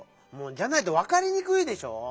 じゃないとわかりにくいでしょう！